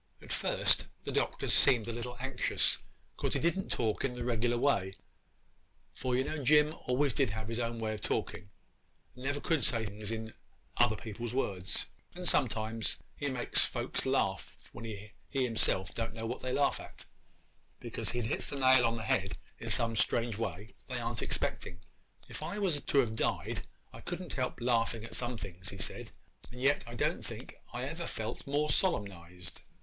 At first the Doctor seemed a little anxious 'cause he didn't talk in the regular way, for you know Jim always did have his own way of talking, and never could say things in other people's words; and sometimes he makes folks laugh when he himself don't know what they laugh at, because he hits the nail on the head in some strange way they ar'n't expecting. If I was to have died I couldn't help laughing at some things he said, and yet I don't think I ever felt more solemnized.